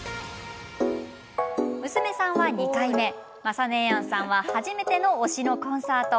娘さんは２回目まさ姉やんさんは初めての推しのコンサート。